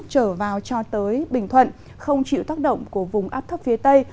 trở vào cho tới bình thuận không chịu tác động của vùng áp thấp phía tây